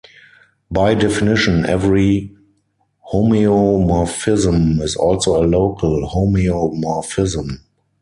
By definition, every homeomorphism is also a local homeomorphism.